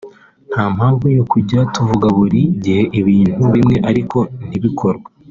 nta mpamvu yo kujya tuvuga buri gihe ibintu bimwe ariko ntibikorwe